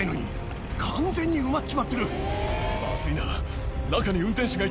まずいな。